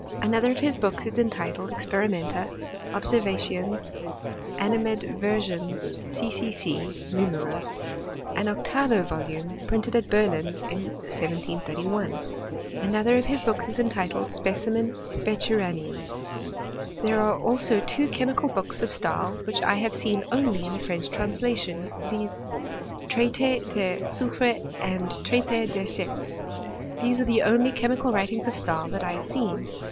Another of his books is entitled " Experimenta, Ob^ aervationes, Animadversiones, CCC. Numero." All octavo volume, printed at Berlin in 1731 . Another of his books is entitled" Specimen Eeccherianum." There are also two chemical books or Stahl, which I hare seen only in a French translation, viz., Traiti de Soyfre and TraitS de Sets. These are the only ehe* mical writings of Stahl that I have seen.